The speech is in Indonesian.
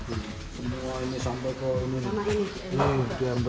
ini semua ini sampai ke ini nih